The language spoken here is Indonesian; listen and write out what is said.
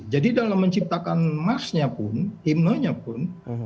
jadi dalam menciptakan mars nya pun himnonya pun